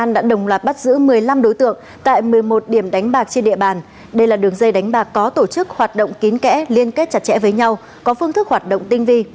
đây là đường dây đánh bạc có tổ chức hoạt động kín kẽ liên kết chặt chẽ với nhau có phương thức hoạt động tinh vi